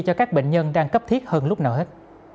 cho các bệnh nhân đang cấp thiết hơn lúc nào hết